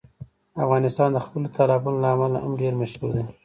افغانستان د خپلو تالابونو له امله هم ډېر مشهور دی.